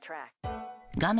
画面